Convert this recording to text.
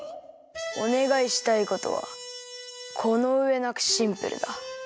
おねがいしたいことはこのうえなくシンプルだ。